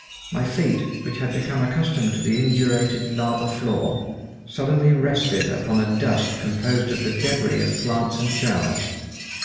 My feet, which had become accustomed to the indurated lava floor, suddenly rested upon a dust composed of the debris of plants and shells.